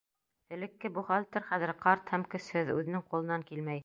Элекке бухгалтер хәҙер ҡарт һәм көсһөҙ, үҙенең ҡулынан килмәй.